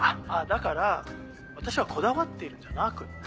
だから私はこだわってるんじゃなくって。